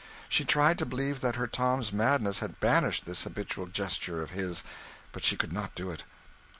She tried to believe that her Tom's madness had banished this habitual gesture of his; but she could not do it.